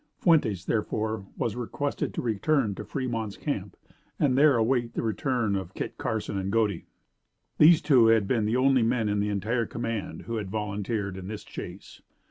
Fuentes, therefore, was requested to return to Fremont's camp, and there await the return of Kit Carson and Godey. These two had been the only men in the entire command who had volunteered in this chase.